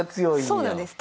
そうなんです。